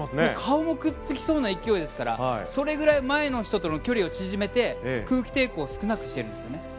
顔もくっつきそうな勢いですからそれぐらい前の人との距離を縮めて空気抵抗を少なくしてるんです。